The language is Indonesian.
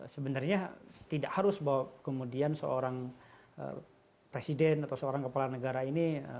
sebenarnya tidak harus bahwa kemudian seorang presiden atau seorang kepala negara ini